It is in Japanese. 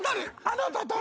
「あなた誰？」